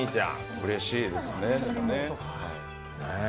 うれしいですね。